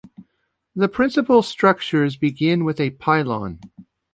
The principal structures begin with a pylon.